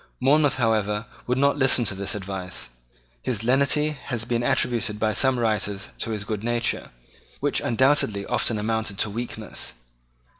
Monmouth, however, would not listen to this advice. His lenity has been attributed by some writers to his good nature, which undoubtedly often amounted to weakness.